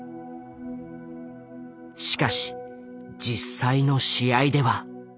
しかし実際の試合では。